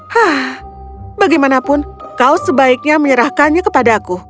hah bagaimanapun kau sebaiknya menyerahkannya kepadaku